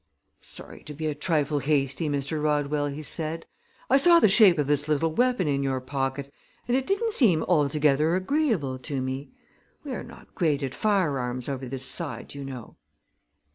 "Sorry to be a trifle hasty, Mr. Rodwell," he said. "I saw the shape of this little weapon in your pocket and it didn't seem altogether agreeable to me. We are not great at firearms over this side, you know."